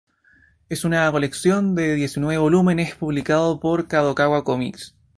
Es una colección de diecinueve volúmenes, publicados por Kadokawa Comics.